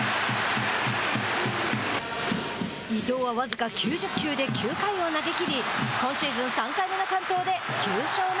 伊藤は僅か９０球で９回を投げきり今シーズン３回目の完投で９勝目。